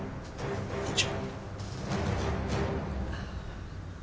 院長。